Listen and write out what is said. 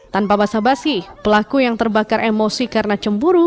tanpa basah basi pelaku yang terbakar emosi karena cemburu